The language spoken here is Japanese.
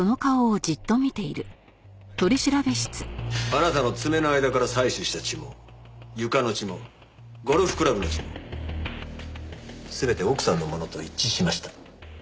あなたの爪の間から採取した血も床の血もゴルフクラブの血も全て奥さんのものと一致しました。